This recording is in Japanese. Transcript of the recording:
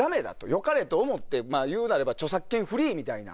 よかれと思って言うなれば著作権フリーみたいな。